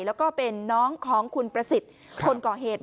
แล้วก็เป็นน้องของคุณประสิทธิ์คนก่อเหตุ